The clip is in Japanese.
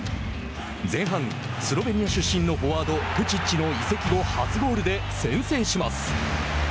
前半、スロベニア出身のフォワード、トゥチッチの移籍後初ゴールで先制します。